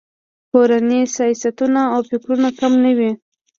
کورني سیاستونه او فکرونه کم نه وي.